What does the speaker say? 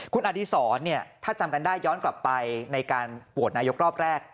คุณอดีศรถ้าจำกันได้ย้อนกลับไปในการโหวตนายกรอบแรก